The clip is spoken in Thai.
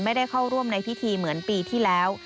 ไม่ได้เข้าร่วมในพิธีเหมือนปีที่แล้ว